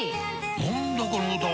何だこの歌は！